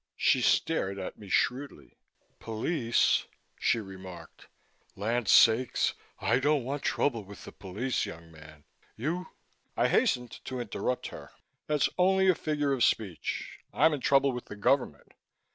She stared at me shrewdly. "Police," she remarked. "Land's sakes, I don't want trouble with the police. Young man, you " I hastened to interrupt her. "That's only a figure of speech. I'm in trouble with the government.